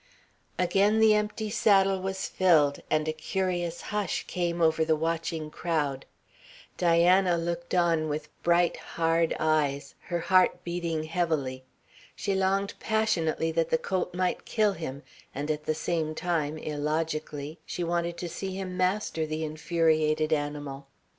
Again the empty saddle was filled, and a curious hush came over the watching crowd. Diana looked on with bright, hard eyes, her heart beating heavily. She longed passionately that the colt might kill him, and, at the same time, illogically, she wanted to see him master the infuriated animal.